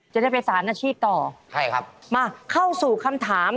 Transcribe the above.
จะได้ไปสารอาชีพต่อใช่ครับมาเข้าสู่คำถาม